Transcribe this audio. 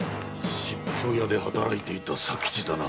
しっぷう屋で働いていた佐吉だな。